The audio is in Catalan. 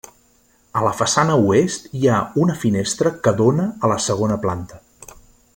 A la façana oest hi ha una finestra que dóna a la segona planta.